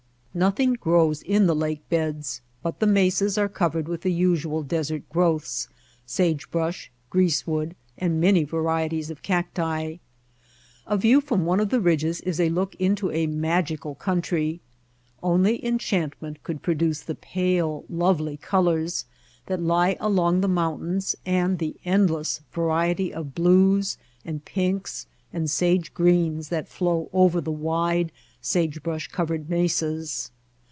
Nothing grows in the lake beds, but the mesas are covered with the usual desert growths, sage brush, greasewood and many varieties of cacti. A view from one of the ridges is a look into a magical country. Only enchantment could pro duce the pale, lovely colors that lie along the mountains and the endless variety of blues and pinks and sage greens which flow over the wide, sagebrush covered mesas.